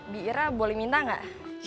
biira boleh minta gak